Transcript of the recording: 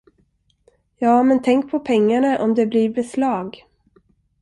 Ja, men tänk på pengarna, om det blir beslag!